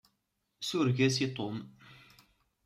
Sureg-as i Tom!